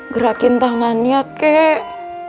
gerakin tangannya kek